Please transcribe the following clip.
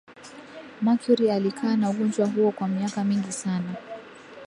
mercury alikaa na ugonjwa huo kwa miaka mingi sana